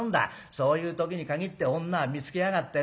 そういう時に限って女は見つけやがってね。